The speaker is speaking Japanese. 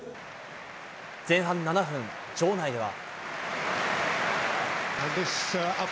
前半７分、場内では。